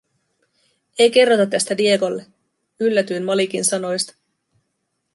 "Ei kerrota tästä Diegolle", yllätyin Malikin sanoista.